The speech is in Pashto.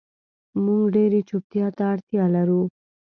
مونږ ډیرې چوپتیا ته اړتیا لرو